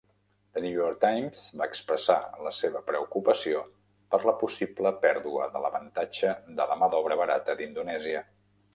"The New York Times" va expressar la seva preocupació per la possible pèrdua de l'avantatge de la mà d'obra barata d'Indonèsia.